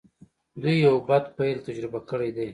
دوی يو بد پيل تجربه کړی دی.